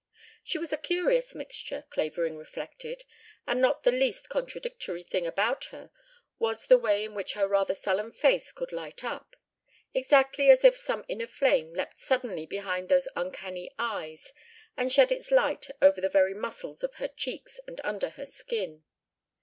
She was a curious mixture, Clavering reflected, and not the least contradictory thing about her was the way in which her rather sullen face could light up: exactly as if some inner flame leapt suddenly behind those uncanny eyes and shed its light over the very muscles of her cheeks and under her skin.